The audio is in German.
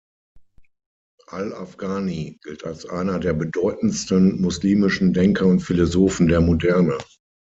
Al-Afghānī gilt als einer der bedeutendsten muslimischen Denker und Philosophen der Moderne.